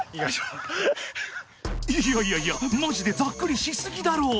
［いやいやいやマジでざっくりし過ぎだろ］